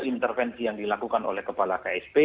intervensi yang dilakukan oleh kepala ksp